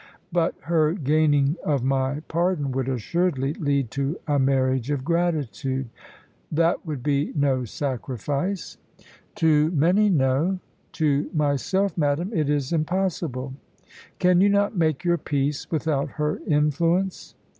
But her gaining of my pardon would assuredly lead to a marriage of gratitude." "That would be no sacrifice." "To many no. To myself madame, it is impossible!" "Can you not make your peace without her influence?"